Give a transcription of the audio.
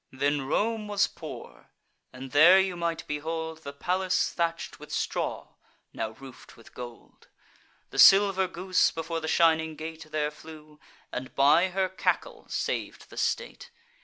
Then Rome was poor; and there you might behold The palace thatch'd with straw, now roof'd with gold. The silver goose before the shining gate There flew, and, by her cackle, sav'd the state.